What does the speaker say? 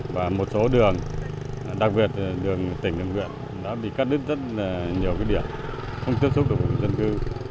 và một số đường đặc biệt là đường tỉnh đường huyện đã bị cắt đứt rất nhiều điểm không tiếp xúc được dân cư